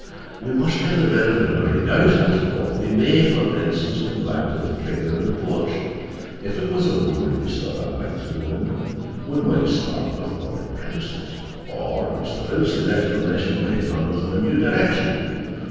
We must give the benefit of every doubt, after all. We may, for instance, come back to the figure on the porch: if it was a woman you saw that night through the window, we might start with other premises. Or Mr. Innes' explanation may turn us in a new direction.